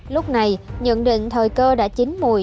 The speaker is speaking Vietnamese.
lúc này nhận định thời cơ đã chín mùi